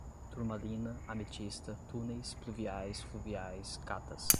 turmalina, ametista, túneis, pluviais, fluviais, catas